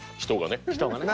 人がね。